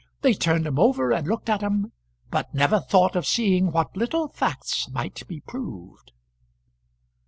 They turned 'em over and looked at 'em; but never thought of seeing what little facts might be proved."